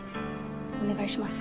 お願いします。